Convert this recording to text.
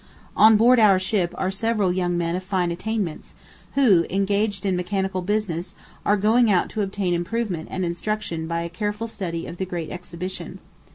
On board our ship are several young men of fine attainments, who, engaged in mechanical business, are going out to obtain improvement and instruction by a careful study of the great exhibition.